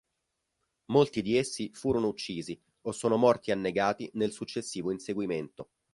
Molti di essi furono uccisi o sono morti annegati nel successivo inseguimento.